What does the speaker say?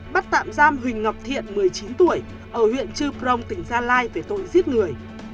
bắt tạm giam huỳnh ngọc thiện một mươi chín tuổi ở huyện chư prong tỉnh gia lai về tội giết người